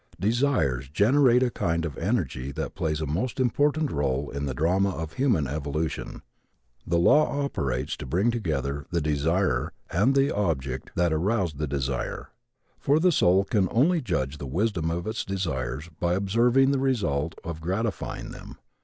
Desires generate a kind of energy that plays a most important role in the drama of human evolution. The law operates to bring together the desirer and the object that aroused the desire. For the soul can only judge the wisdom of its desires by observing the result of gratifying them.